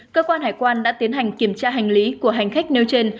cơ quan hải quan đã tiến hành kiểm tra hành lý của hành khách nêu trên